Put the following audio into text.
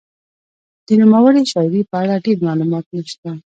د نوموړې شاعرې په اړه ډېر معلومات نشته.